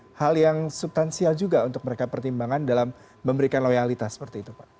ada hal yang subtansial juga untuk mereka pertimbangan dalam memberikan loyalitas seperti itu pak